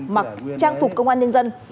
mặc trang phục công an nhân dân